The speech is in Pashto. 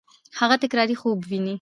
هغه تکراري خوب ویني.